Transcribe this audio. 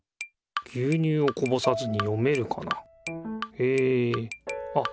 へえあっ